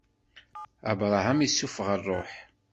Abṛaham issufeɣ ṛṛuḥ.